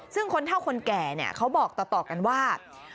ซึ่งคนเท่าคนแก่เขาบอกต่อกันว่า